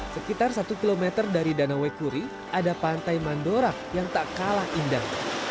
sekitar satu km dari danau wekuri ada pantai mandorak yang tak kalah indah